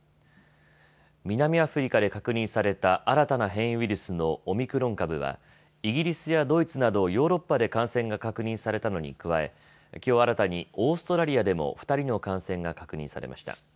南アフリカ確認された新たな変異ウイルスのオミクロン株はイギリスやドイツなどヨーロッパで感染が確認されたのに加えきょう新たにオーストラリアでも２人の感染が確認されました。